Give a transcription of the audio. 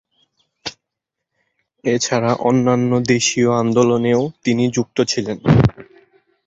এছাড়া অন্যান্য দেশীয় আন্দোলনেও তিনি যুক্ত ছিলেন।